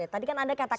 tadi kan anda katakan